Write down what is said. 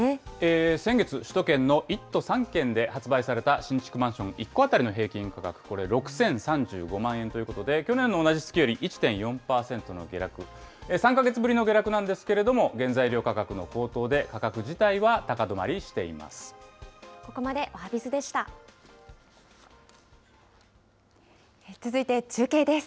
先月、首都圏の１都３県で発売された新築マンション１戸当たりの平均価格、これ、６０３５万円ということで、去年の同じ月より１．４％の下落、３か月ぶりの下落なんですけれども、原材料価格の高騰で価格自体は高止まりしています。